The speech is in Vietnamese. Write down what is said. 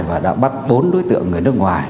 và đã bắt tốn đối tượng người nước ngoài